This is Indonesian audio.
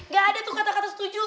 gak ada tuh kata kata setuju